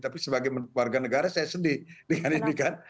tapi sebagai warga negara saya sedih dengan ini kan